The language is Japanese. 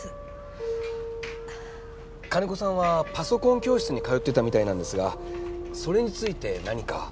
金子さんはパソコン教室に通っていたみたいなんですがそれについて何か？